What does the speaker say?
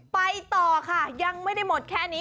ไปต่อค่ะยังไม่ได้หมดแค่นี้